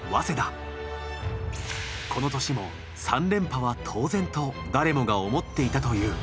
この年も３連覇は当然と誰もが思っていたという。